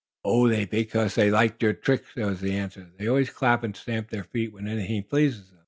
"Oh, that's because they liked your tricks," was the answer. "They always clap and stamp their feet when anything pleases them.